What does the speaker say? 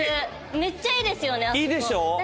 めっちゃいいですよねあそこ。